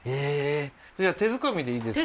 それじゃあ手づかみでいいですか？